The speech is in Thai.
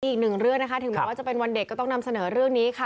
อีกหนึ่งเรื่องนะคะถึงแม้ว่าจะเป็นวันเด็กก็ต้องนำเสนอเรื่องนี้ค่ะ